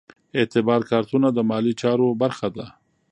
اعتبار کارتونه د مالي چارو برخه ده.